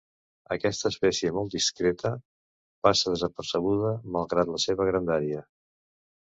Aquesta espècie, molt discreta, passa desapercebuda, malgrat la seva grandària.